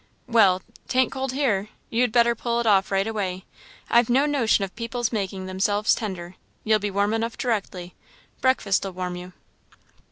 "Well, 'tain't cold here; you'd better pull it off right away. I've no notion of people's making themselves tender. You'll be warm enough directly. Breakfast'll warm you."